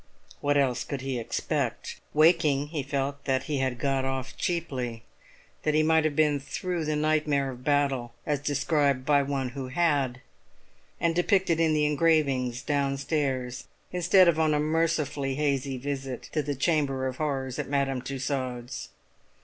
What else could he expect? Waking, he felt that he had got off cheaply; that he might have been through the nightmare of battle, as described by one who had, and depicted in the engravings downstairs, instead of on a mercifully hazy visit to the Chamber of Horrors at Madame Tussaud's.